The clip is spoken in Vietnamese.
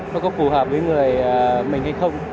nó có phù hợp với người mình hay không